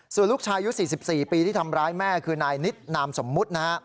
ส่วนลูกชายอายุ๔๔ปีที่ทำร้ายแม่คือนายนิดนามสมมุตินะฮะ